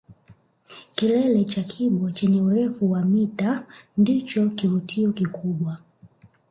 Kilele cha Kibo chenye urefu wa mita ndicho kivutio kikubwa